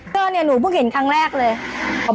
กล้วยทอด๒๐๓๐บาท